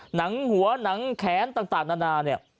หนังหัวหนังแขนต่างนานาเนี่ย